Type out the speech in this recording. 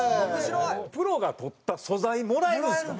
プロが撮った素材もらえるんですか？